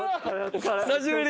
久しぶり。